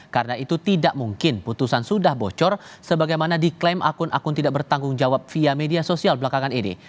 karena itu tidak mungkin putusan sudah bocor sebagaimana diklaim akun akun tidak bertanggung jawab via media sosial belakangan ini